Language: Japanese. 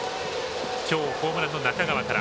きょう、ホームランの中川から。